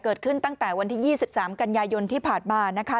เกิดขึ้นตั้งแต่วันที่๒๓กันยายนที่ผ่านมานะคะ